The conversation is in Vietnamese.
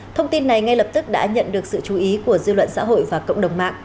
thông tin này ngay lập tức đã nhận được sự chú ý của dư luận xã hội và cộng đồng mạng